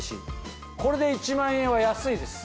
これで１万円は安いです